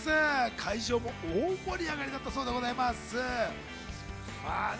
会場も大盛り上がりだったそうでございます。